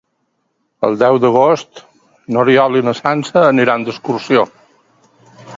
El deu d'agost n'Oriol i na Sança aniran d'excursió.